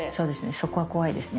そこは怖いですね。